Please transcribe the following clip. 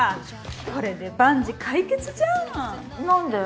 これで万事解決じゃん何で？